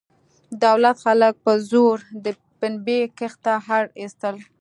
دولت خلک په زور د پنبې کښت ته اړ ایستل.